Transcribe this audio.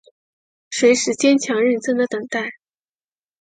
随时坚强认真的等待